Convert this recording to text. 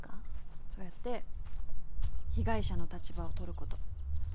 そうやって被害者の立場を取ること。